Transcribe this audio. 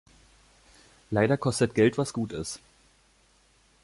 Leider kostet Geld, was gut ist.